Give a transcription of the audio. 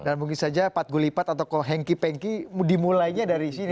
dan mungkin saja pak gulipat atau pak hengki pengki dimulainya dari sini